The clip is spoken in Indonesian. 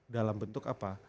dalam bentuk apa